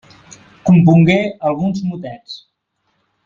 Compongué alguns motets.